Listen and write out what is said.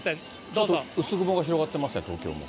ちょっと薄雲が広がってますね、東京も。